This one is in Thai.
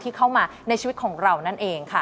เข้ามาในชีวิตของเรานั่นเองค่ะ